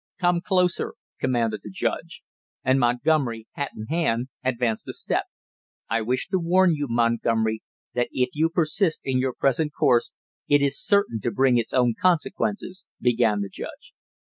"Come closer!" commanded the judge, and Montgomery, hat in hand, advanced a step. "I wish to warn you, Montgomery, that if you persist in your present course, it is certain to bring its own consequences," began the judge.